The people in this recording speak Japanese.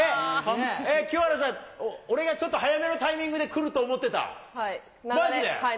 清原さん、俺がちょっと早めのタイミングでくると思はい。